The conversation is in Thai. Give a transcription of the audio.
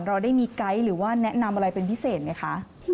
เราได้มีไกด์หรือว่าแนะนำอะไรเป็นพิเศษไหมคะ